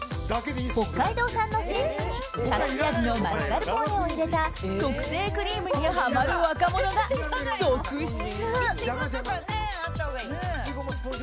北海道産の生乳に隠し味のマスカルポーネを入れた特製クリームにハマる若者が続出。